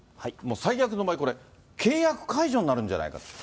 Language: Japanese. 最悪の場合、これ、契約解除になるんじゃないかと。